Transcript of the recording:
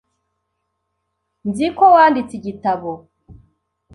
Nzi ko wanditse igitabo .